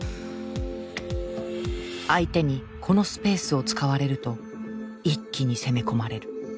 相手にこのスペースを使われると一気に攻め込まれる。